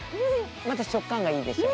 また食感がいいでしょ？